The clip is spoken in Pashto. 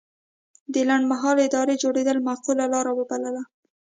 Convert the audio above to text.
د لنډمهالې ادارې جوړېدل معقوله لاره وبلله.